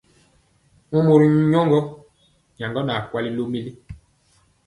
Momorom nyɔŋgɔ aa kwali lomili.